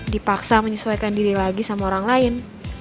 dipaksa menyesuaikan diri lagi sama orang lain